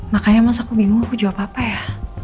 makanya mas aku bingung aku jawab apa ya